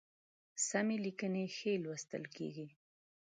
سمي لیکنی ښی لوستل کیږي